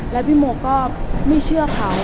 แล้วพี่โมก็ไม่เชื่อเขา